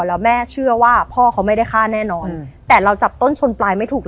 แล้วแม่เชื่อว่าพ่อเขาไม่ได้ฆ่าแน่นอนแต่เราจับต้นชนปลายไม่ถูก